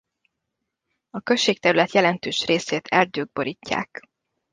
A községterület jelentős részét erdők borítják.